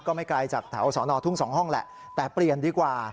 ก็ไม่ไกลจากแถวสอนอทุ่ง๒ห้องแหละแต่เปลี่ยนดีกว่า